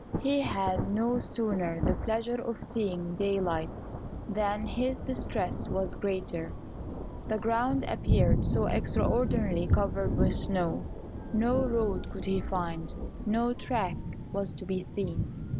He had no sooner the pleasure of seeing daylight than his distress was greater. The ground appeared so extraordinarily covered with snow, no road could he find no track was to be seen.